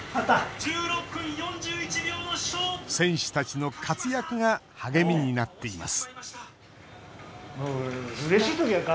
選手たちの活躍が励みになっています